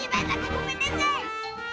ごめんなさい。